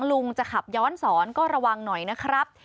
ลุงจะขับย้อนสอนก็ระวังหน่อยนะครับ